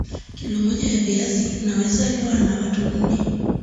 kilo moja ya viazi inaweza liwa na watu nne